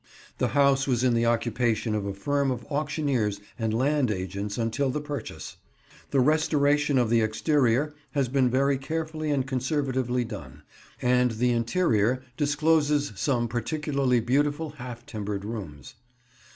The house was in the occupation of a firm of auctioneers and land agents until the purchase. The "restoration" of the exterior has been very carefully and conservatively done, and the interior discloses some particularly beautiful half timbered rooms.